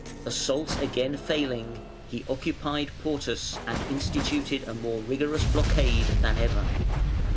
Assault again failing, he occupied Portus and instituted a more rigorous blockade than ever.